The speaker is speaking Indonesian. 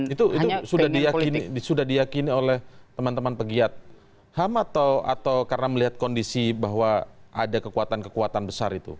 itu sudah diyakini oleh teman teman pegiat ham atau karena melihat kondisi bahwa ada kekuatan kekuatan besar itu